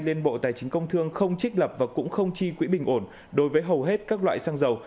liên bộ tài chính công thương không trích lập và cũng không chi quỹ bình ổn đối với hầu hết các loại xăng dầu